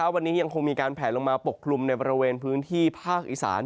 วันนี้ยังคงมีการแผลลงมาปกคลุมในบริเวณพื้นที่ภาคอีสาน